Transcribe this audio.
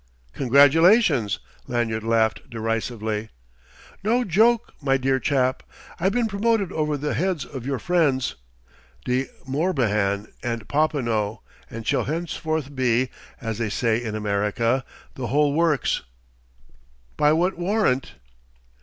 "Congratulations!" Lanyard laughed derisively. "No joke, my dear chap: I've been promoted over the heads of your friends, De Morbihan and Popinot, and shall henceforth be as they say in America the whole works." "By what warrant?"